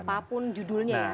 apapun judulnya ya